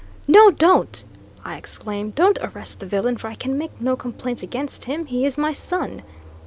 "No, don't!" I exclaimed; "Don't arrest the villain, for I can make no complaint against him he is my son!"